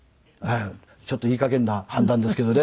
ちょっといい加減な判断ですけどね。